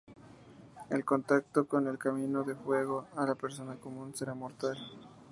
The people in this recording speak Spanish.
El contacto con el Camino de Fuego a la persona común será mortal.